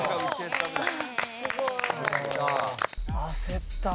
焦った。